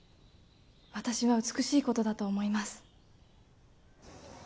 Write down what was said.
私は美しいことだと思います